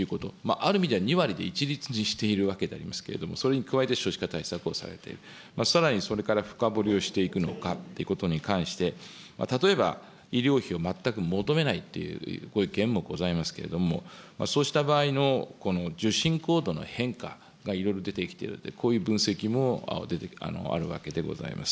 ある意味で２割で一律にしているわけですけれども、それに加えて少子化対策をされている、さらに、それから深掘りをしていくのかということに関して、例えば、医療費を全く求めないっていう、ご意見もございますけれども、そうした場合の受診行動の変化、いろいろ出てきている、こういう分析もあるわけでございます。